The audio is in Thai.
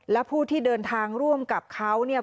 และผู้ที่เดินทางร่วมกับเขาเนี่ย